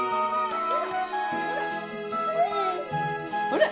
ほら！